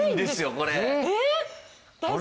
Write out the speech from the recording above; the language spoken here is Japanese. これ。